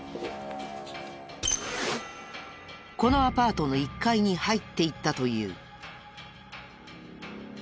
このアパートの１階に入っていったという。